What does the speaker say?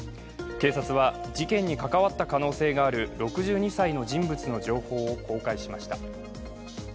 警察は事件に関わった可能性がある６２歳の人物の情報を公開しました。